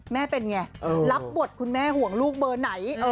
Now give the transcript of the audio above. แม่เป็นไงรับบทคุณแม่ห่วงลูกเบอร์ไหน